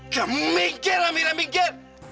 kamu minggir amira minggir